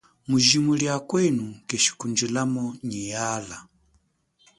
Mujimo lia kwenu keshikundjilamo nyi yala.